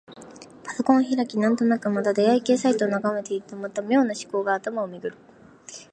パソコンを開き、なんとなくまた出会い系サイトを眺めているとまた、妙な思考が頭をめぐる。